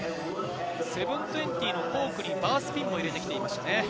７２０のコークにバースピンを入れてきましたね。